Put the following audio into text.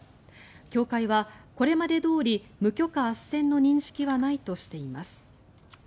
教会はこれまでどおり無許可あっせんの認識はないとしています。